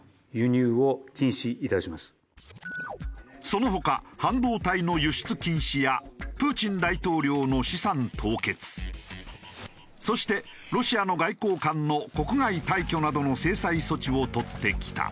その他半導体の輸出禁止やプーチン大統領の資産凍結そしてロシアの外交官の国外退去などの制裁措置を取ってきた。